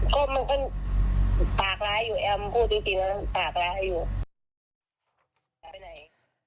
ก็พูดจริงแล้วมันปากร้ายอยู่